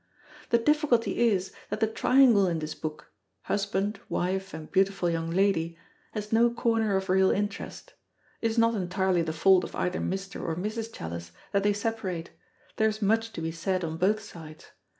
The difficulty is that the triangle in this book husband, wife, and beautiful young lady has no corner of real interest. It is not entirely the fault of either Mr. or Mrs. Challis that they separate; there is much to be said on both sides.